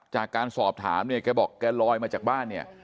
จากการสอบถามเนี่ยแกบอกแกลอยมาจากบ้านเนี่ย